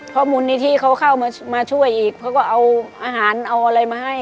เพราะมูลนิธิเขาเข้ามาช่วยอีกเขาก็เอาอาหารเอาอะไรมาให้